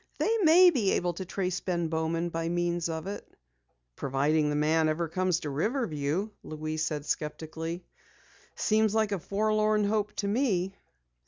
"They may be able to trace Ben Bowman by means of it." "Providing the man ever comes to Riverview," Louise said skeptically. "It seems like a forlorn hope to me."